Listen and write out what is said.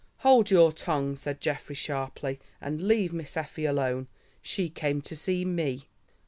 "Hold your tongue," said Geoffrey sharply, "and leave Miss Effie alone. She came to see me."